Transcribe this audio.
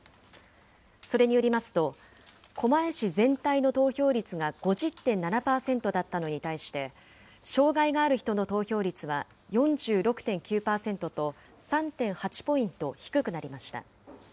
それによりますと、狛江市全体の投票率が５０．７％だったのに対して、障害がある人の投票率は４６．９％と、３．８ポイント低くなりました。